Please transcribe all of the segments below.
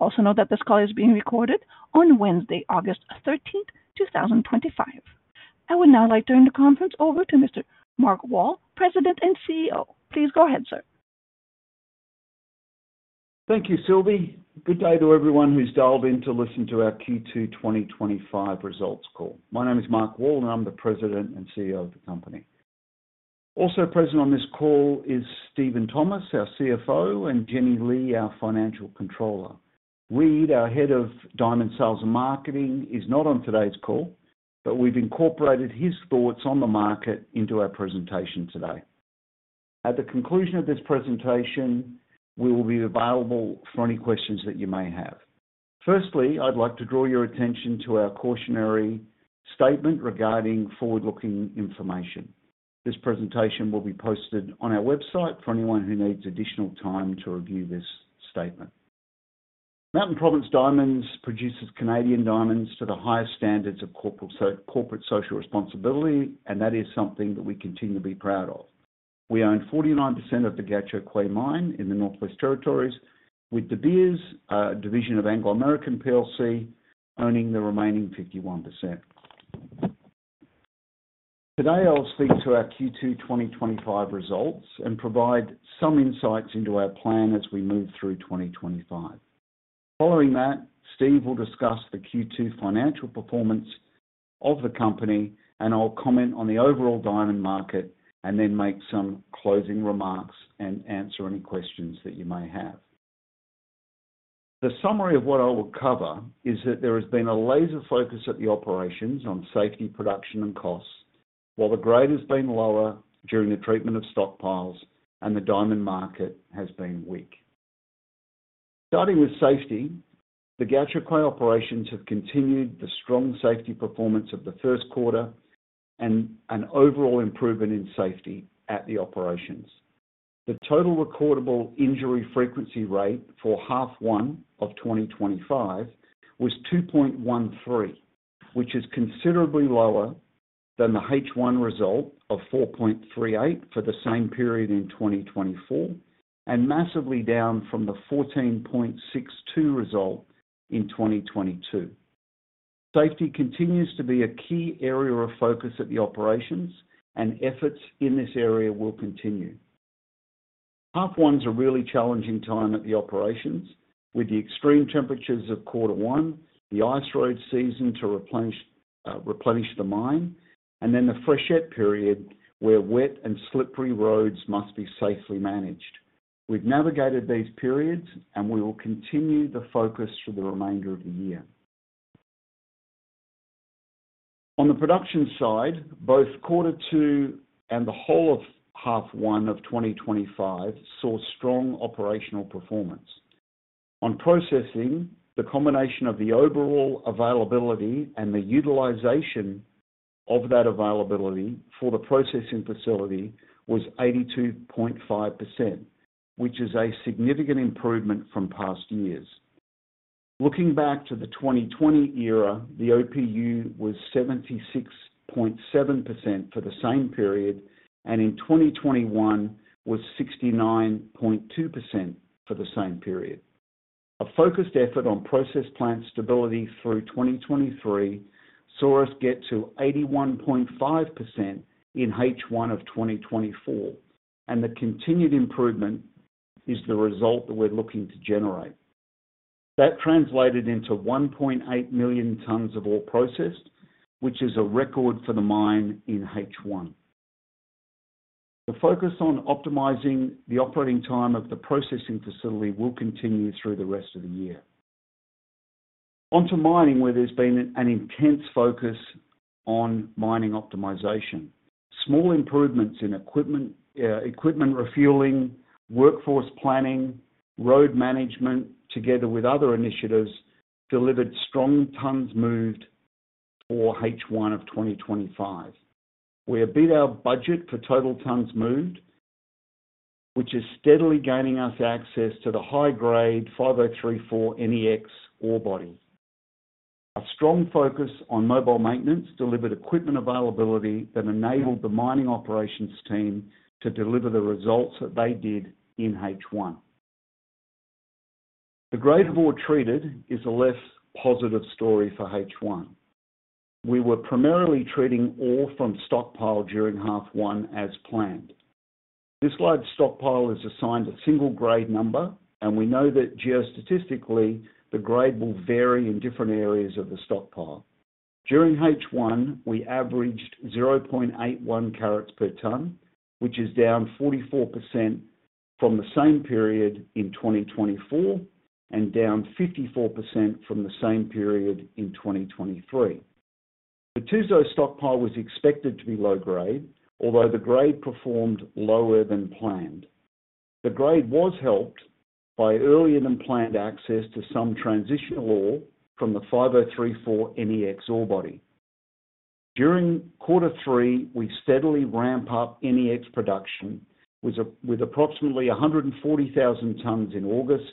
Also note that this call is being recorded on Wednesday, August 13, 2025. I would now like to turn the conference over to Mr. Mark Wall, President and CEO. Please go ahead, sir. Thank you, Sylvie. Good day to everyone who's dialed in to listen to our Q2 2025 results call. My name is Mark Wall and I'm the President and CEO of the company. Also present on this call is Steven Thomas, our CFO, and Jennie Ly, our Financial Controller. Reid, our Head of Diamond Sales and Marketing, is not on today's call, but we've incorporated his thoughts on the market into our presentation today. At the conclusion of this presentation, we will be available for any questions that you may have. Firstly, I'd like to draw your attention to our cautionary statement regarding forward-looking information. This presentation will be posted on our website for anyone who needs additional time to review this statement. Mountain Province Diamonds produces Canadian diamonds to the highest standards of corporate social responsibility, and that is something that we continue to be proud of. We own 49% of the Gahcho Kué Mine in the Northwest Territories, with De Beers, a division of Anglo American plc, owning the remaining 51%. Today, I'll speak to our Q2 2025 Results and provide some insights into our plan as we move through 2025. Following that, Steven will discuss the Q2 financial performance of the company, and I'll comment on the overall diamond market and then make some closing remarks and answer any questions that you may have. The summary of what I will cover is that there has been a laser focus at the operations on safety, production, and costs, while the grade has been lower during the treatment of stockpiles, and the diamond market has been weak. Starting with safety, the Gahcho Kué operations have continued the strong safety performance of the first quarter and an overall improvement in safety at the operations. The total recordable injury frequency rate for half one of 2025 was 2.13, which is considerably lower than the H1 result of 4.38 for the same period in 2024, and massively down from the 14.62 result in 2022. Safety continues to be a key area of focus at the operations, and efforts in this area will continue. Half one's a really challenging time at the operations, with the extreme temperatures of quarter one, the ice road season to replenish the mine, and then the freshet period where wet and slippery roads must be safely managed. We've navigated these periods, and we will continue the focus for the remainder of the year. On the production side, both quarter two and the whole of half one of 2025 saw strong operational performance. On processing, the combination of the overall availability and the utilization of that availability for the processing facility was 82.5%, which is a significant improvement from past years. Looking back to the 2020 era, the OPU was 76.7% for the same period, and in 2021 was 69.2% for the same period. A focused effort on process plant stability through 2023 saw us get to 81.5% in H1 of 2024, and the continued improvement is the result that we're looking to generate. That translated into 1.8 million tons of ore processed, which is a record for the mine in H1. The focus on optimizing the operating time of the processing facility will continue through the rest of the year. Onto mining, where there's been an intense focus on mining optimization, small improvements in equipment refueling, workforce planning, road management, together with other initiatives, delivered strong tons moved for H1 of 2025. We have beat our budget for total tons moved, which is steadily gaining us access to the high-grade 5034 NEX ore body. A strong focus on mobile maintenance delivered equipment availability that enabled the mining operations team to deliver the results that they did in H1. The grade of ore treated is a less positive story for H1. We were primarily treating ore from stockpile during half one as planned. This large stockpile is assigned a single grade number, and we know that geostatistically, the grade will vary in different areas of the stockpile. During H1, we averaged 0.81 carats per ton, which is down 44% from the same period in 2024 and down 54% from the same period in 2023. The Tuzo stockpile was expected to be low grade, although the grade performed lower than planned. The grade was helped by earlier than planned access to some transitional ore from the 5034 NEX ore body. During quarter three, we steadily ramped up NEX production with approximately 140,000 tons in August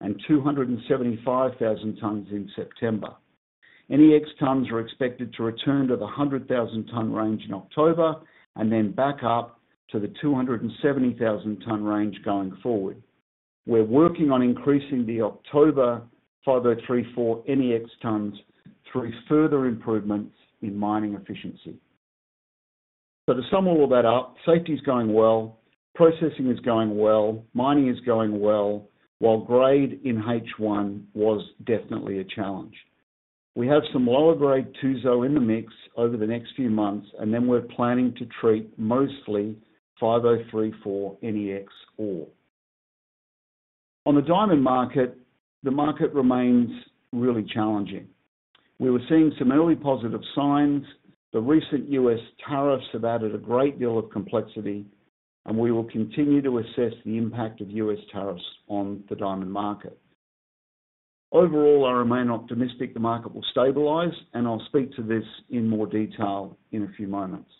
and 275,000 tons in September. NEX tons were expected to return to the 100,000 ton range in October and then back up to the 270,000 ton range going forward. We're working on increasing the October 5034 NEX tons through further improvements in mining efficiency. To sum all of that up, safety is going well, processing is going well, mining is going well, while grade in H1 was definitely a challenge. We have some lower grade Tuzo in the mix over the next few months, and then we're planning to treat mostly 5034 NEX ore. On the diamond market, the market remains really challenging. We were seeing some early positive signs, but recent U.S. tariffs have added a great deal of complexity, and we will continue to assess the impact of U.S. tariffs on the diamond market. Overall, I remain optimistic the market will stabilize, and I'll speak to this in more detail in a few moments.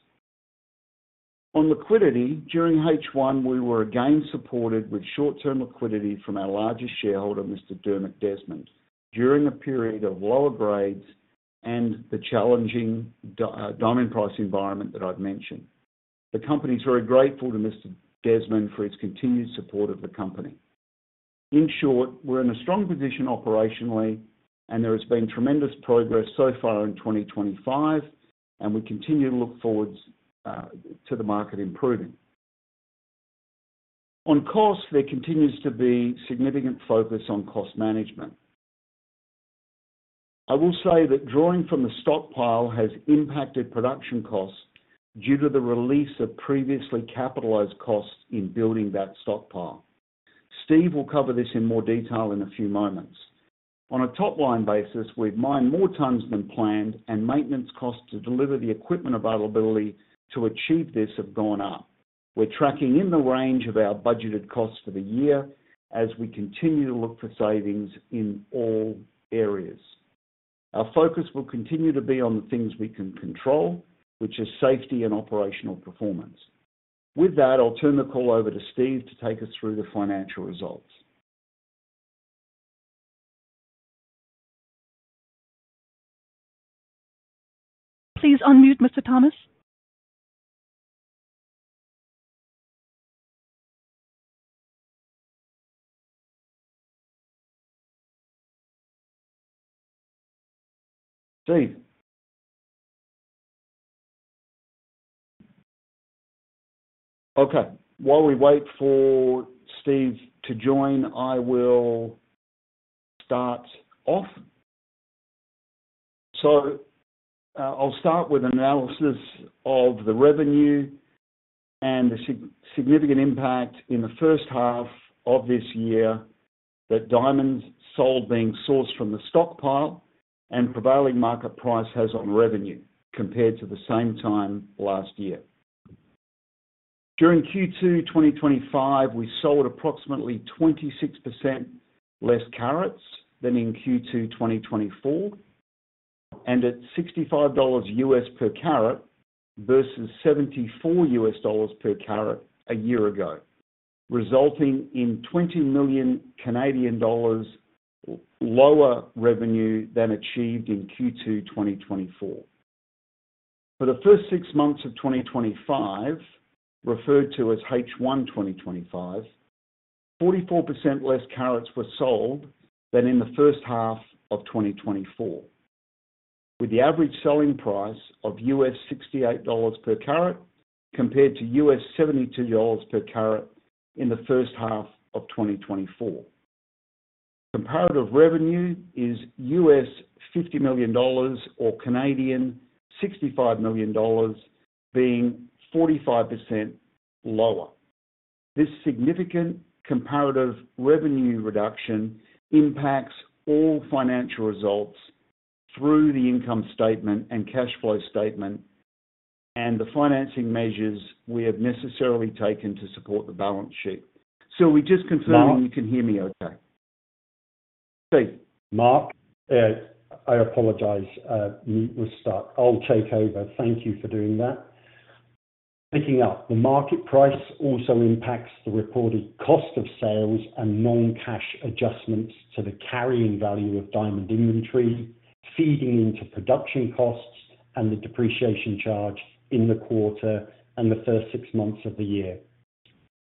On liquidity, during H1, we were again supported with short-term liquidity from our largest shareholder, Mr. Dernek Desmond, during a period of lower grades and the challenging diamond price environment that I've mentioned. The company is very grateful to Mr. Desmond for his continued support of the company. In short, we're in a strong position operationally, and there has been tremendous progress so far in 2025, and we continue to look forward to the market improving. On cost, there continues to be significant focus on cost management. I will say that drawing from the stockpile has impacted production costs due to the release of previously capitalized costs in building that stockpile. Steve will cover this in more detail in a few moments. On a top-line basis, we've mined more tons than planned, and maintenance costs to deliver the equipment availability to achieve this have gone up. We're tracking in the range of our budgeted costs for the year as we continue to look for savings in all areas. Our focus will continue to be on the things we can control, which is safety and operational performance. With that, I'll turn the call over to Steve to take us through the financial results. Please unmute, Mr. Thomas. Okay. While we wait for Steve to join, I will start off. I'll start with an analysis of the revenue and the significant impact in the first half of this year that diamonds sold being sourced from the stockpile and prevailing market price has on revenue compared to the same time last year. During Q2 2025, we sold approximately 26% less carats than in Q2 2024, and at $65 per carat versus $74 per carat a year ago, resulting in 20 million Canadian dollars lower revenue than achieved in Q2 2024. For the first six months of 2025, referred to as H1 2025, 44% less carats were sold than in the first half of 2024, with the average selling price of $68 per carat compared to US $72 per carat in the first half of 2024. Comparative revenue is $50 million or 65 million Canadian dollars being 45% lower. This significant comparative revenue reduction impacts all financial results through the income statement and cash flow statement and the financing measures we have necessarily taken to support the balance sheet. Sylvie, just confirming you can hear me okay. Steve. Mark, I apologize. You will start. I'll take over. Thank you for doing that. Picking up, the market price also impacts the reported cost of sales and non-cash adjustments to the carrying value of diamond inventory, feeding into production costs and the depreciation charge in the quarter and the first six months of the year.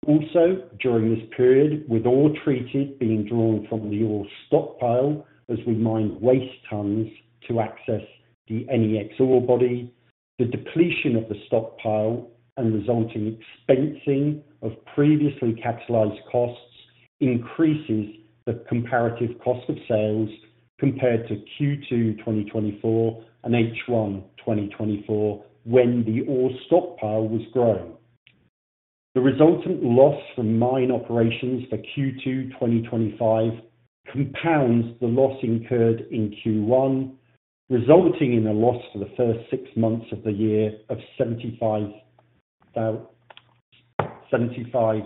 Also, during this period, with ore treated being drawn from the ore stockpile as we mine waste tons to access the NEX ore body, the depletion of the stockpile and resulting expensing of previously capitalized costs increases the comparative cost of sales compared to Q2 2024 and H1 2024 when the ore stockpile was growing. The resultant loss from mine operations for Q2 2025 compounds the loss incurred in Q1, resulting in a loss for the first six months of the year of $75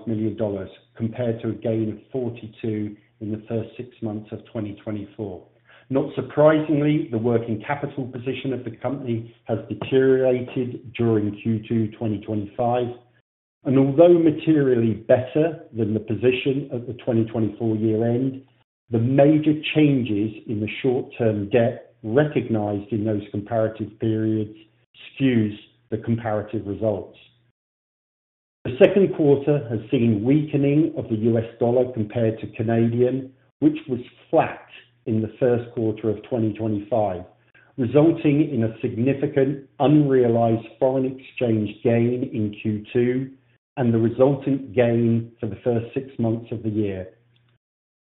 million compared to a gain of $42 million in the first six months of 2024. Not surprisingly, the working capital position of the company has deteriorated during Q2 2025, and although materially better than the position at the 2024 year-end, the major changes in the short-term debt recognized in those comparative periods skews the comparative results. The second quarter has seen weakening of the U.S. dollar compared to Canadian, which was flat in the first quarter of 2025, resulting in a significant unrealized foreign exchange gain in Q2 and the resultant gain for the first six months of the year.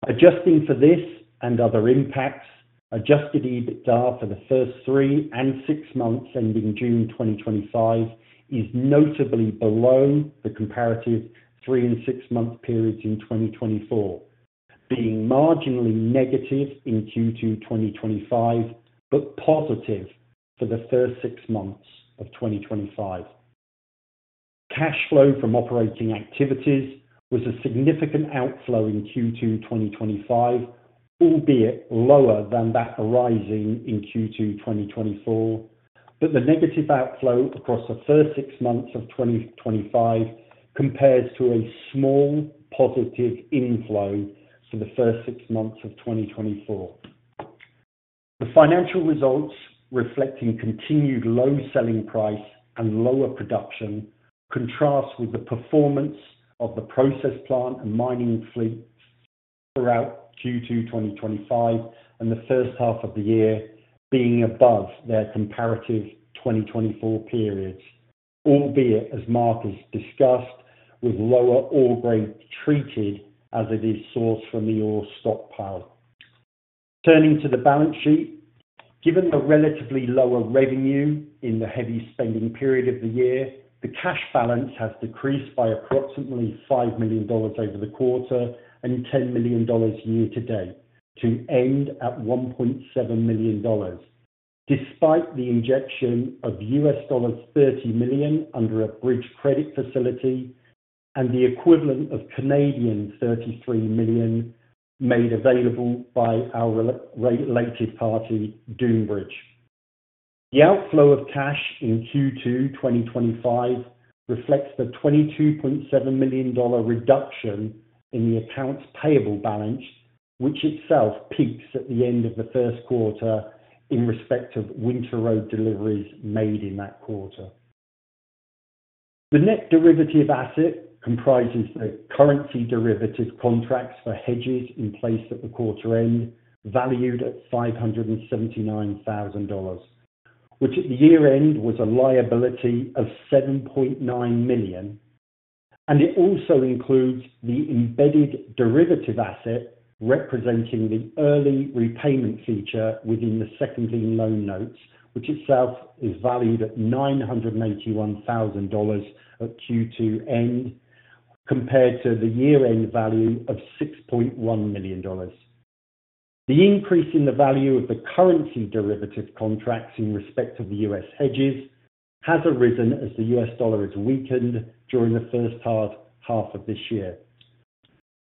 Adjusting for this and other impacts, adjusted EBITDA for the first three and six months ending June 2025 is notably below the comparative three and six-month periods in 2024, being marginally negative in Q2 2025 but positive for the first six months of 2025. Cash flow from operating activities was a significant outflow in Q2 2025, albeit lower than that arising in Q2 2024, but the negative outflow across the first six months of 2025 compares to a small positive inflow for the first six months of 2024. The financial results reflecting continued low selling price and lower production contrast with the performance of the process plant and mining fleets throughout Q2 2025 and the first half of the year being above their comparative 2024 periods, albeit as Mark has discussed with lower ore grade treated as it is sourced from the ore stockpile. Turning to the balance sheet, given the relatively lower revenue in the heavy spending period of the year, the cash balance has decreased by approximately $5 million over the quarter and $10 million year to date to end at $1.7 million, despite the injection of $30 million under a bridge credit facility and the equivalent of 33 million made available by our related party, Dunebridge. The outflow of cash in Q2 2025 reflects the $22.7 million reduction in the accounts payable balance, which itself peaks at the end of the first quarter in respect of winter road deliveries made in that quarter. The net derivative asset comprises the currency derivative contracts for hedges in place at the quarter end, valued at $579,000, which at the year end was a liability of $7.9 million, and it also includes the embedded derivative asset representing the early repayment feature within the seconding loan notes, which itself is valued at $981,000 at Q2 end compared to the year-end value of $6.1 million. The increase in the value of the currency derivative contracts in respect of the U.S. hedges has arisen as the U.S. dollar has weakened during the first half of this year.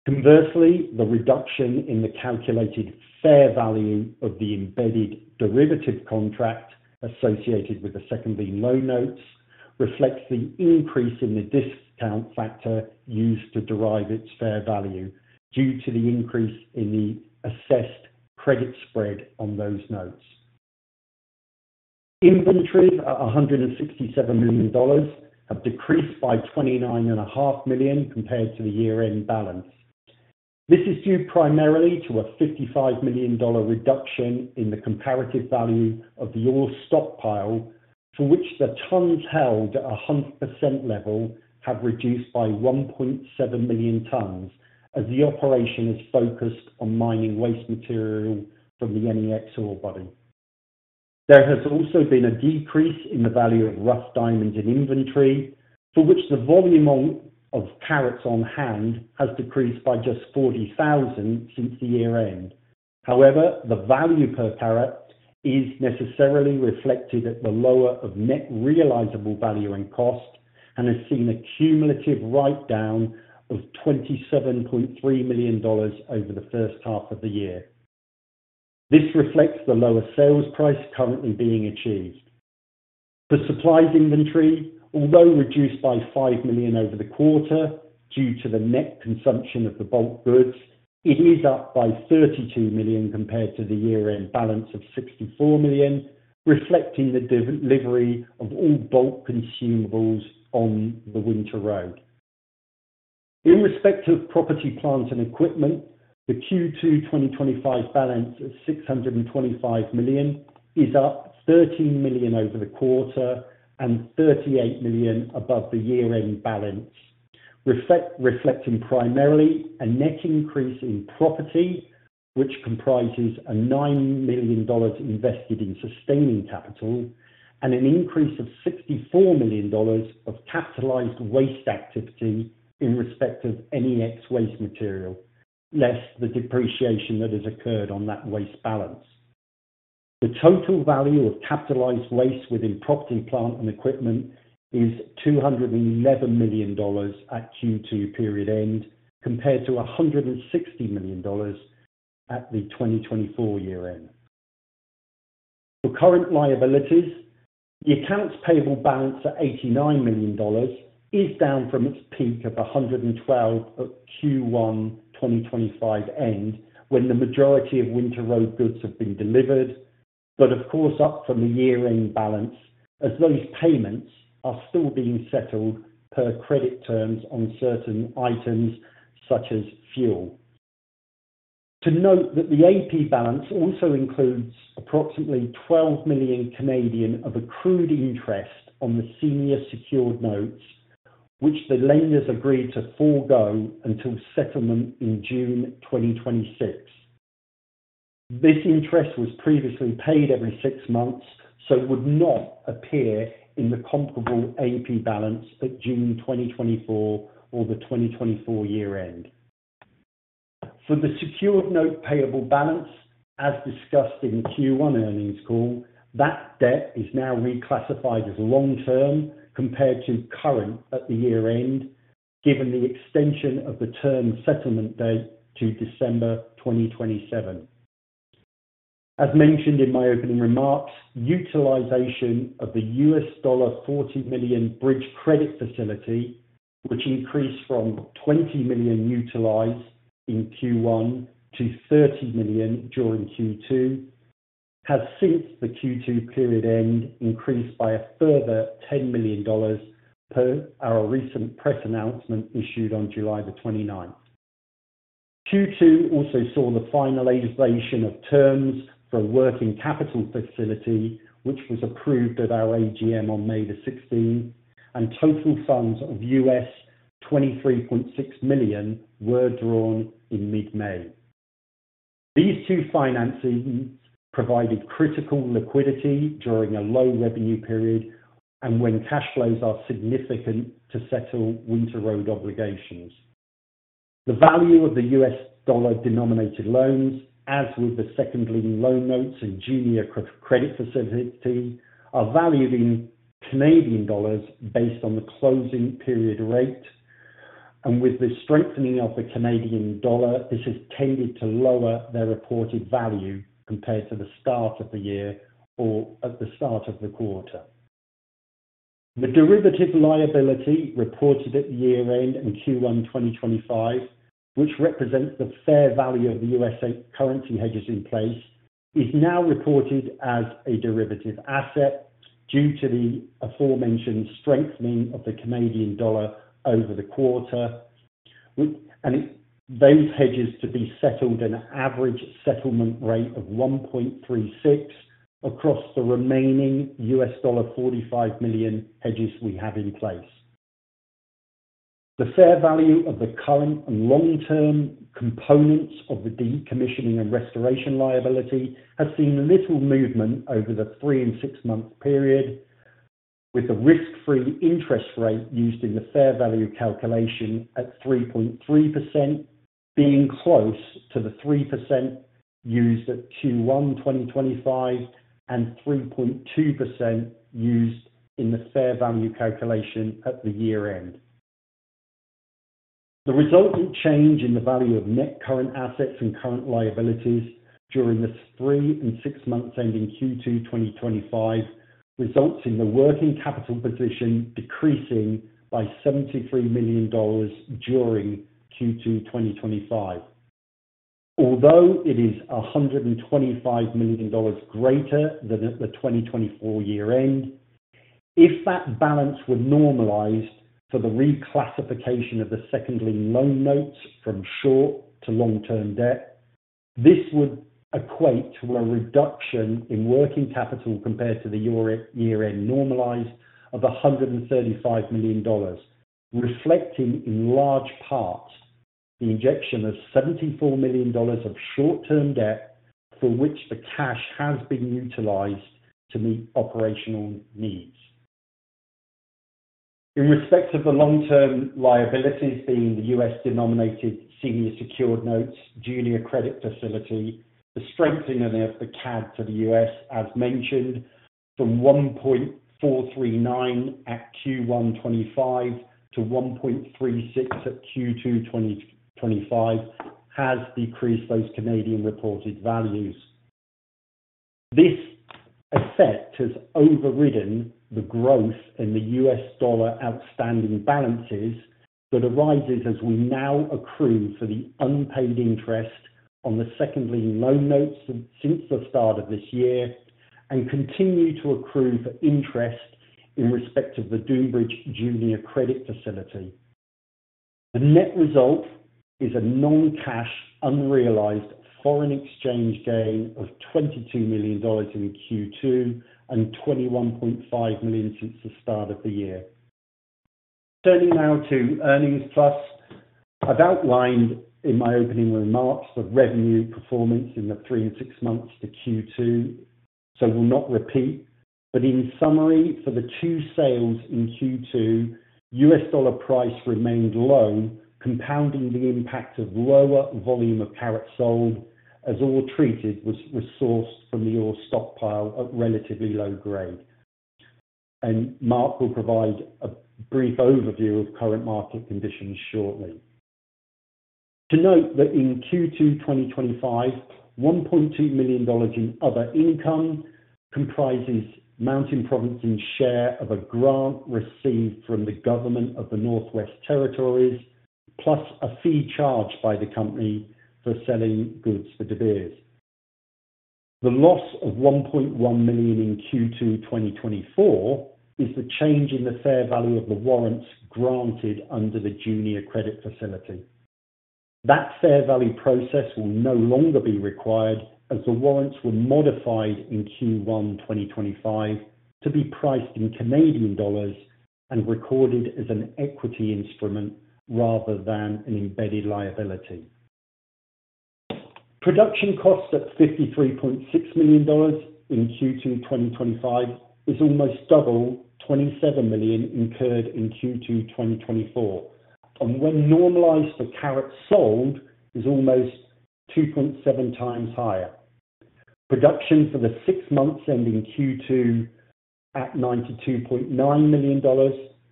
Conversely, the reduction in the calculated fair value of the embedded derivative contract associated with the seconding loan notes reflects the increase in the discount factor used to derive its fair value due to the increase in the assessed credit spread on those notes. Inventories at $167 million have decreased by $29.5 million compared to the year-end balance. This is due primarily to a $55 million reduction in the comparative value of the ore stockpile, for which the tons held at a 100% level have reduced by 1.7 million tons as the operation is focused on mining waste material from the NEX ore body. There has also been a decrease in the value of rough diamonds in inventory, for which the volume of carats on hand has decreased by just 40,000 since the year-end. However, the value per carat is necessarily reflected at the lower of net realizable value and cost and has seen a cumulative write-down of $27.3 million over the first half of the year. This reflects the lower sales price currently being achieved. For supplies inventory, although reduced by $5 million over the quarter due to the net consumption of the bulk goods, it is up by $32 million compared to the year-end balance of $64 million, reflecting the delivery of all bulk consumables on the winter road. In respect of property, plant, and equipment, the Q2 2025 balance of $625 million is up $13 million over the quarter and $38 million above the year-end balance, reflecting primarily a net increase in property, which comprises $9 million invested in sustaining capital, and an increase of $64 million of capitalized waste activity in respect of NEX waste material, less the depreciation that has occurred on that waste balance. The total value of capitalized waste within property, plant, and equipment is $211 million at Q2 period end compared to $160 million at the 2024 year-end. For current liabilities, the accounts payable balance at $89 million is down from its peak of $112 million at Q1 2025 end when the majority of winter road goods have been delivered, but of course up from the year-end balance as those payments are still being settled per credit terms on certain items such as fuel. To note, the AP balance also includes approximately 12 million of accrued interest on the senior secured notes, which the lenders agreed to forego until settlement in June 2026. This interest was previously paid every six months, so it would not appear in the comparable AP balance at June 2024 or the 2024 year-end. For the secured note payable balance, as discussed in the Q1 earnings call, that debt is now reclassified as long-term compared to current at the year-end, given the extension of the term settlement date to December 2027. As mentioned in my opening remarks, utilization of the $40 million bridge credit facility, which increased from $20 million utilized in Q1 to $30 million during Q2, has since the Q2 period end increased by a further $10 million per our recent press announcement issued on July 29. Q2 also saw the finalization of terms for a working capital facility, which was approved at our AGM on May 16, and total funds of $23.6 million were drawn in mid-May. These two finances provided critical liquidity during a low revenue period and when cash flows are significant to settle winter road obligations. The value of the U.S. dollar denominated loans, as with the seconding loan notes and junior credit facility, are valued in Canadian dollars based on the closing period rate, and with the strengthening of the Canadian dollar, this has tended to lower their reported value compared to the start of the year or at the start of the quarter. The derivative liability reported at the year-end and Q1 2025, which represents the fair value of the U.S. currency hedges in place, is now reported as a derivative asset due to the aforementioned strengthening of the Canadian dollar over the quarter, with both hedges to be settled at an average settlement rate of 1.36 across the remaining $45 million hedges we have in place. The fair value of the current and long-term components of the decommissioning and restoration liability has seen little movement over the three and six-month period, with the risk-free interest rate used in the fair value calculation at 3.3% being close to the 3% used at Q1 2025 and 3.2% used in the fair value calculation at the year-end. The resultant change in the value of net current assets and current liabilities during the three and six months ending Q2 2025 results in the working capital position decreasing by $73 million during Q2 2025. Although it is $125 million greater than at the 2024 year-end, if that balance were normalized for the reclassification of the seconding loan notes from short to long-term debt, this would equate to a reduction in working capital compared to the year-end normalized of $135 million, reflecting in large part the injection of $74 million of short-term debt for which the cash has been utilized to meet operational needs. In respect of the long-term liabilities being the U.S. denominated senior secured notes, junior credit facility, the strengthening of the Canadian dollar for the U.S., as mentioned, from 1.439 at Q1 2025 to 1.36 at Q2 2025 has decreased those Canadian reported values. This effect has overridden the growth in the U.S. dollar outstanding balances that arise as we now accrue for the unpaid interest on the seconding loan notes since the start of this year and continue to accrue for interest in respect of the Dunebridge junior credit facility. The net result is a non-cash unrealized foreign exchange gain of $22 million in Q2 and $21.5 million since the start of the year. Turning now to earnings plus, I've outlined in my opening remarks the revenue performance in the three and six months to Q2, so I'll not repeat. In summary, for the two sales in Q2, U.S. dollar price remained low, compounding the impact of lower volume of carats sold as ore treated was sourced from the ore stockpile at relatively low grade. Mark will provide a brief overview of current market conditions shortly. To note that in Q2 2025, $1.2 million in other income comprises Mountain Province's share of a grant received from the government of the Northwest Territories, plus a fee charged by the company for selling goods to De Beers. The loss of $1.1 million in Q2 2024 is the change in the fair value of the warrants granted under the junior credit facility. That fair value process will no longer be required as the warrants were modified in Q1 2025 to be priced in Canadian dollars and recorded as an equity instrument rather than an embedded liability. Production costs at $53.6 million in Q2 2025 is almost double $27 million incurred in Q2 2024, and when normalized, the carats sold is almost 2.7x higher. Production for the six months ending Q2 at $92.9 million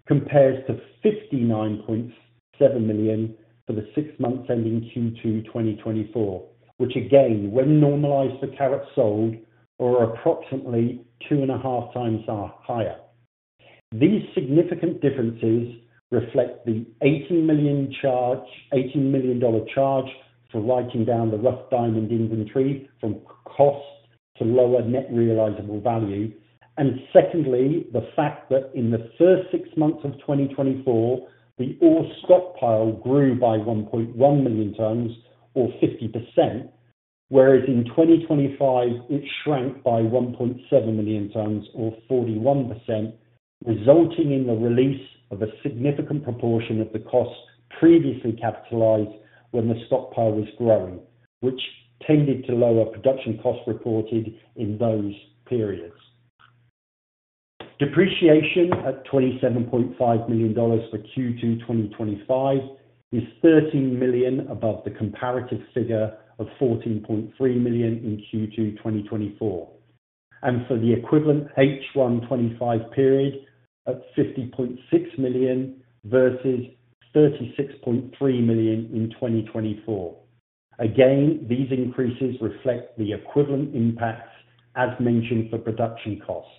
compares to $59.7 million for the six months ending Q2 2024, which again, when normalized, the carats sold are approximately 2.5x higher. These significant differences reflect the $18 million charge for writing down the rough diamond inventory from cost to lower net realizable value, and secondly, the fact that in the first six months of 2024, the ore stockpile grew by 1.1 million tons, or 50%, whereas in 2025, it shrank by 1.7 million tons, or 41%, resulting in the release of a significant proportion of the costs previously capitalized when the stockpile was grown, which tended to lower production costs reported in those periods. Depreciation at $27.5 million for Q2 2025 is $13 million above the comparative figure of $14.3 million in Q2 2024, and for the equivalent H1 2025 period, at $50.6 million versus $36.3 million in 2024. Again, these increases reflect the equivalent impacts as mentioned for production costs,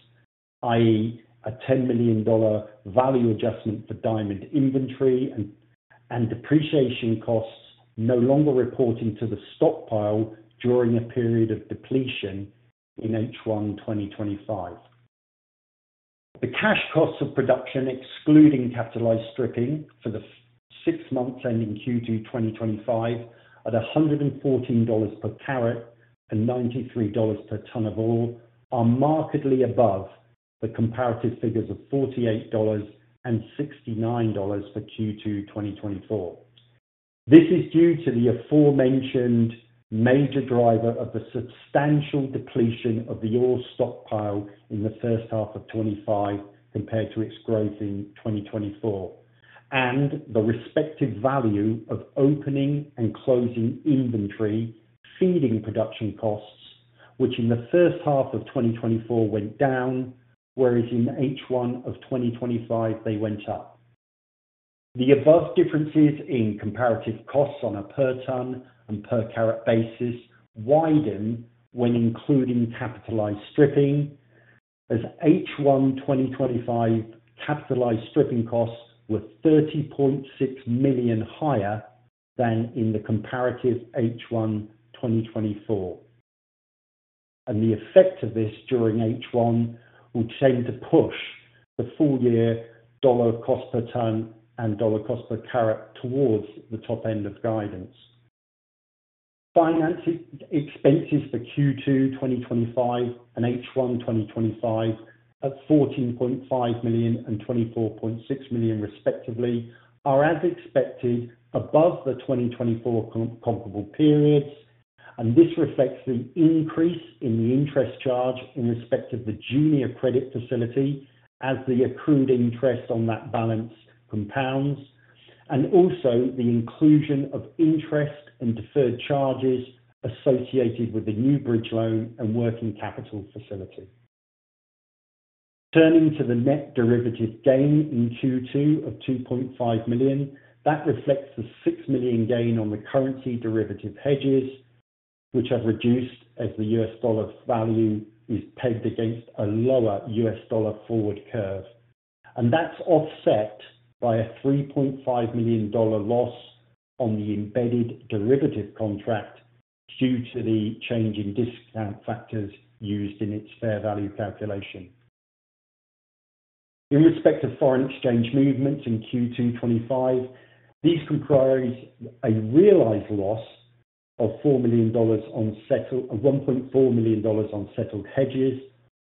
i.e., a $10 million value adjustment for diamond inventory and depreciation costs no longer reported to the stockpile during a period of depletion in H1 2025. The cash costs of production, excluding capitalized stripping for the six months ending Q2 2025, at $114 per carat and $93 per ton of ore, are markedly above the comparative figures of $48 and $69 for Q2 2024. This is due to the aforementioned major driver of the substantial depletion of the ore stockpile in the first half of 2025 compared to its growth in 2024, and the respective value of opening and closing inventory feeding production costs, which in the first half of 2024 went down, whereas in H1 of 2025 they went up. The above differences in comparative costs on a per ton and per carat basis widen when including capitalized stripping, as H1 2025 capitalized stripping costs were $30.6 million higher than in the comparative H1 2024, and the effect of this during H1 will tend to push the full-year dollar cost per ton and dollar cost per carat towards the top end of guidance. Finance expenses for Q2 2025 and H1 2025 at $14.5 million and $24.6 million, respectively, are as expected above the 2024 comparable periods, and this reflects an increase in the interest charge in respect of the junior credit facility as the accrued interest on that balance compounds, and also the inclusion of interest and deferred charges associated with the Dunebridge loan and working capital facility. Turning to the net derivative gain in Q2 of $2.5 million, that reflects the $6 million gain on the currency derivative hedges, which have reduced as the U.S. dollar value is pegged against a lower U.S. dollar forward curve, and that's offset by a $3.5 million loss on the embedded derivative contract due to the change in discount factors used in its fair value calculation. In respect of foreign exchange movements in Q2 2025, these comprise a realized loss of $4 million on settled, $1.4 million on settled hedges,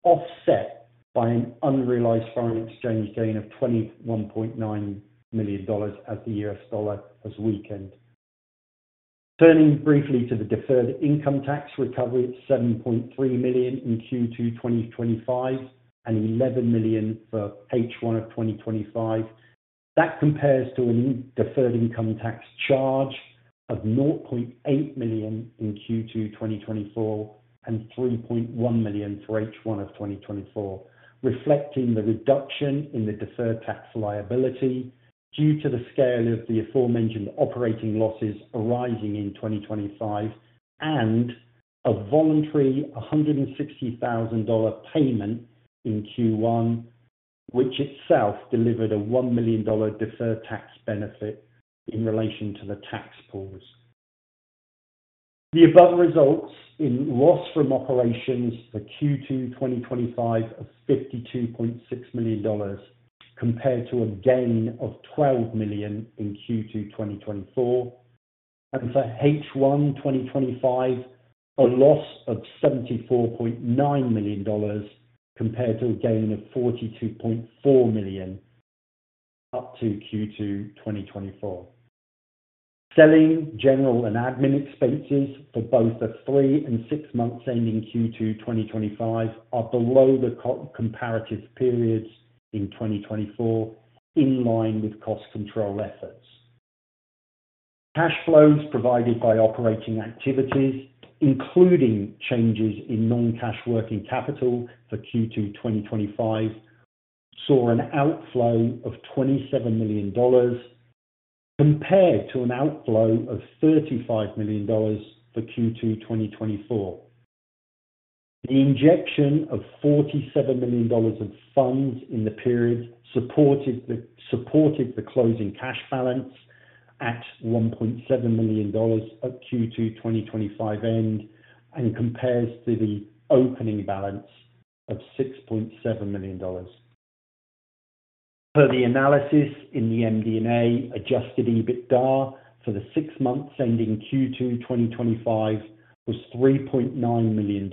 offset by an unrealized foreign exchange gain of $21.9 million as the U.S. dollar has weakened. Turning briefly to the deferred income tax recovery at $7.3 million in Q2 2025 and $11 million for H1 of 2025, that compares to a deferred income tax charge of $0.8 million in Q2 2024 and $3.1 million for H1 of 2024, reflecting the reduction in the deferred tax liability due to the scale of the aforementioned operating losses arising in 2025 and a voluntary $160,000 payment in Q1, which itself delivered a $1 million deferred tax benefit in relation to the tax pause. The above results in loss from operations for Q2 2025 of $52.6 million compared to a gain of $12 million in Q2 2024, and for H1 2025, a loss of $74.9 million compared to a gain of $42.4 million up to Q2 2024. Selling, general, and admin expenses for both the three and six months ending Q2 2025 are below the comparative periods in 2024, in line with cost control efforts. Cash flows provided by operating activities, including changes in non-cash working capital for Q2 2025, saw an outflow of $27 million compared to an outflow of $35 million for Q2 2024. The injection of $47 million of funds in the period supported the closing cash balance at $1.7 million at Q2 2025 end and compares to the opening balance of $6.7 million. Per the analysis in the MD&A, adjusted EBITDA for the six months ending Q2 2025 was $3.9 million,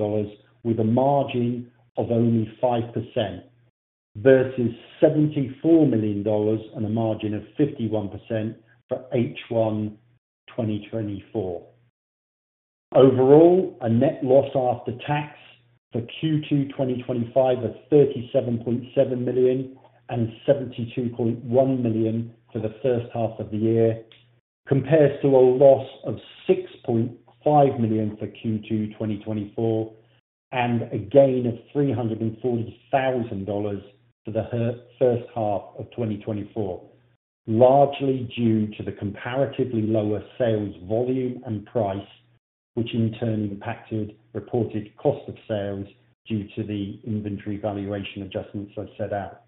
with a margin of only 5% versus $74 million and a margin of 51% for H1 2024. Overall, a net loss after tax for Q2 2025 of $37.7 million and $72.1 million for the first half of the year compares to a loss of $6.5 million for Q2 2024 and a gain of $340,000 for the first half of 2024, largely due to the comparatively lower sales volume and price, which in turn impacted reported cost of sales due to the inventory valuation adjustments I set out.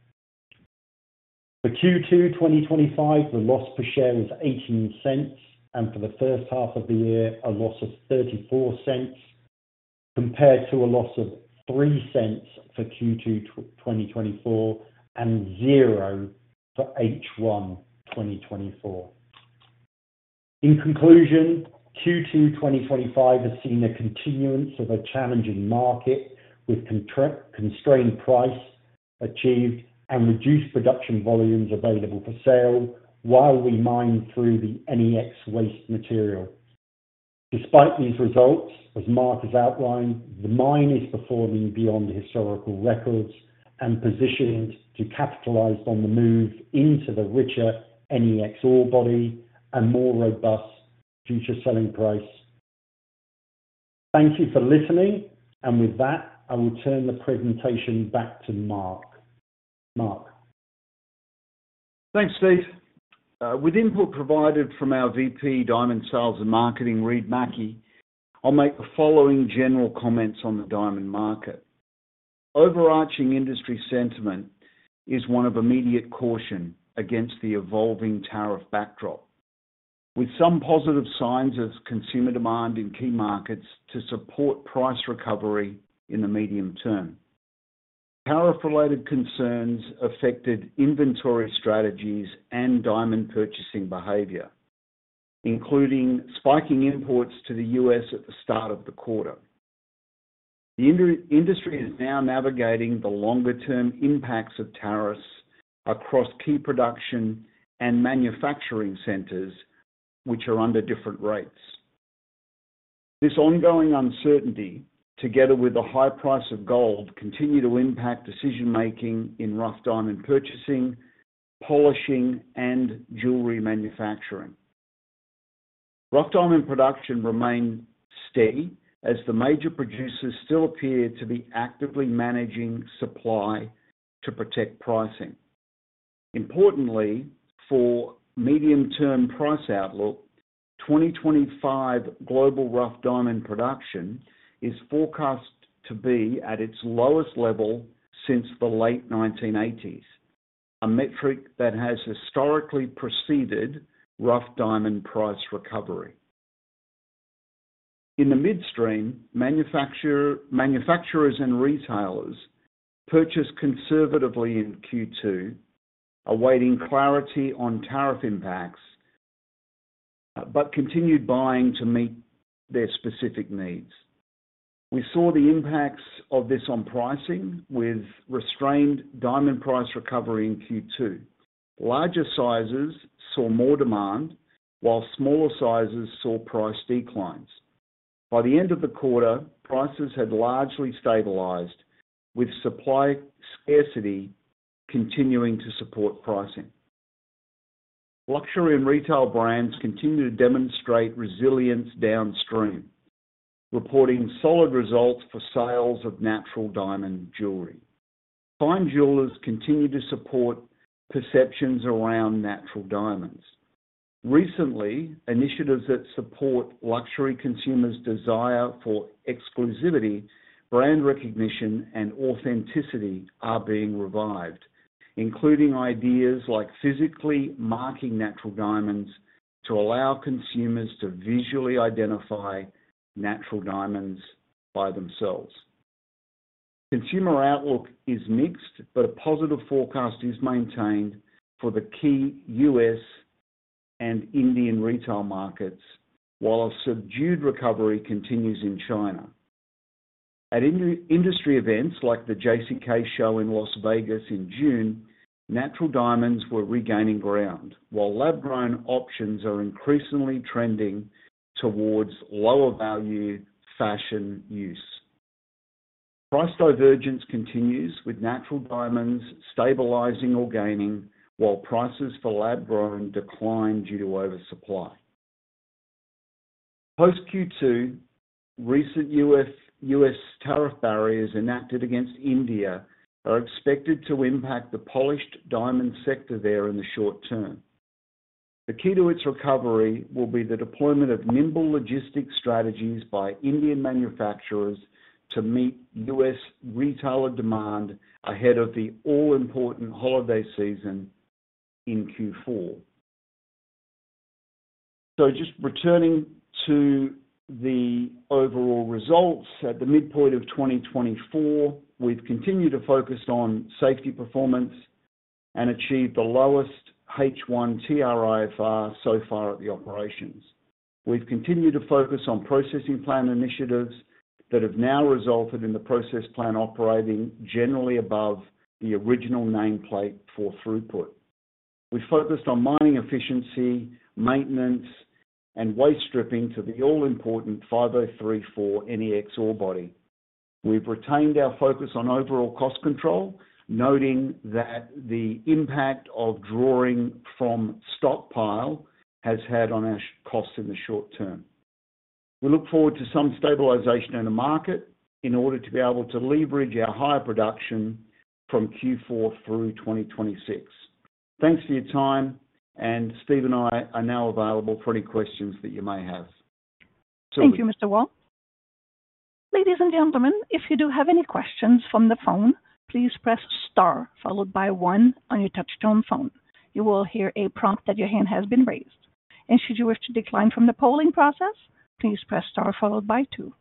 For Q2 2025, the loss per share was $0.18, and for the first half of the year, a loss of $0.34 compared to a loss of $0.03 for Q2 2024 and $0.00 for H1 2024. In conclusion, Q2 2025 has seen a continuance of a challenging market with constrained price achieved and reduced production volumes available for sale while we mine through the NEX waste material. Despite these results, as Mark has outlined, the mine is performing beyond historical records and positioned to capitalize on the move into the richer NEX ore body and more robust future selling price. Thank you for listening, and with that, I will turn the presentation back to Mark. Thanks, Steve. With input provided from our VP Diamond Sales and Marketing, Reid Mackie, I'll make the following general comments on the diamond market. Overarching industry sentiment is one of immediate caution against the evolving tariff backdrop, with some positive signs of consumer demand in key markets to support price recovery in the medium term. Tariff-related concerns affected inventory strategies and diamond purchasing behavior, including spiking imports to the U.S. at the start of the quarter. The industry is now navigating the longer-term impacts of tariffs across key production and manufacturing centers, which are under different rates. This ongoing uncertainty, together with the high price of gold, continues to impact decision-making in rough diamond purchasing, polishing, and jewelry manufacturing. Rough diamond production remains steady as the major producers still appear to be actively managing supply to protect pricing. Importantly, for medium-term price outlook, 2025 global rough diamond production is forecast to be at its lowest level since the late 1980s, a metric that has historically preceded rough diamond price recovery. In the midstream, manufacturers and retailers purchased conservatively in Q2, awaiting clarity on tariff impacts, but continued buying to meet their specific needs. We saw the impacts of this on pricing with restrained diamond price recovery in Q2. Larger sizes saw more demand, while smaller sizes saw price declines. By the end of the quarter, prices had largely stabilized, with supply scarcity continuing to support pricing. Luxury and retail brands continue to demonstrate resilience downstream, reporting solid results for sales of natural diamond jewelry. Fine jewelers continue to support perceptions around natural diamonds. Recently, initiatives that support luxury consumers' desire for exclusivity, brand recognition, and authenticity are being revived, including ideas like physically marking natural diamonds to allow consumers to visually identify natural diamonds by themselves. Consumer outlook is mixed, but a positive forecast is maintained for the key U.S. and Indian retail markets, while a subdued recovery continues in China. At industry events like the JCK Show in Las Vegas in June, natural diamonds were regaining ground, while lab-grown options are increasingly trending towards lower-value fashion use. Price divergence continues with natural diamonds stabilizing or gaining, while prices for lab-grown decline due to oversupply. Post-Q2, recent U.S. tariff barriers enacted against India are expected to impact the polished diamond sector there in the short term. The key to its recovery will be the deployment of nimble logistics strategies by Indian manufacturers to meet U.S. retailer demand ahead of the all-important holiday season in Q4. Returning to the overall results at the midpoint of 2024, we've continued to focus on safety performance and achieved the lowest H1 TRIFR so far at the operations. We've continued to focus on processing plan initiatives that have now resulted in the process plan operating generally above the original nameplate for throughput. We've focused on mining efficiency, maintenance, and waste stripping to the all-important 5034 NEX ore body. We've retained our focus on overall cost control, noting that the impact of drawing from stockpile has had on our costs in the short term. We look forward to some stabilization in the market in order to be able to leverage our higher production from Q4 through 2026. Thanks for your time, and Steve and I are now available for any questions that you may have. Thank you, Mr. Wall. Ladies and gentlemen, if you do have any questions from the phone, please press star followed by one on your touch-tone phone. You will hear a prompt that your hand has been raised. Should you wish to decline from the polling process, please press star followed by two.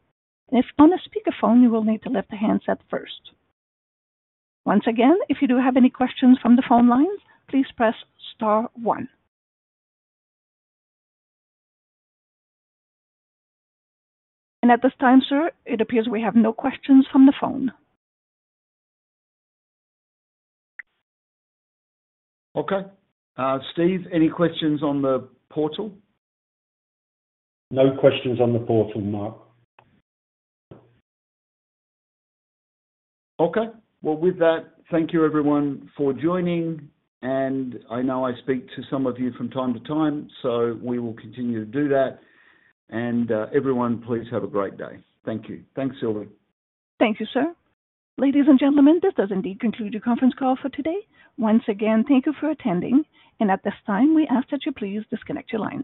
If on a speakerphone, you will need to lift the handset first. Once again, if you do have any questions from the phone lines, please press star one. At this time, sir, it appears we have no questions from the phone. Okay. Steven, any questions on the portal? No questions on the portal, Mark. Thank you everyone for joining. I know I speak to some of you from time to time, so we will continue to do that. Everyone, please have a great day. Thank you. Thanks, Sylvie. Thank you, sir. Ladies and gentlemen, this does indeed conclude your conference call for today. Once again, thank you for attending. At this time, we ask that you please disconnect your lines.